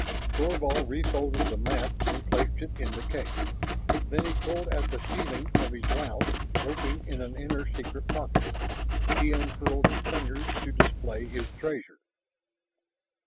Thorvald refolded the map and placed it in the case. Then he pulled at the sealing of his blouse, groping in an inner secret pocket. He uncurled his fingers to display his treasure.